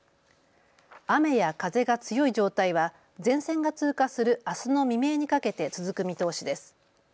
雨や風が強い状態は前線が通過するあすの未明にかけて続く見通しです。